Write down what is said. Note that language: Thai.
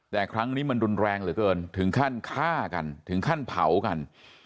แต่ครั้งนี้มันรุนแรงเหลือเกินถึงขั้นฆ่ากันถึงขั้นเผากัน